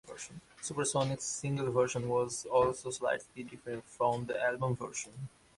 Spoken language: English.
"Super Sonic"'s single version was also slightly different from the album version.